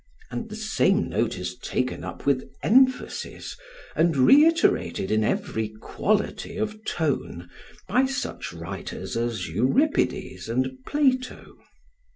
] And the same note is taken up with emphasis, and reiterated in every quality of tone, by such writers as Euripides and Plato.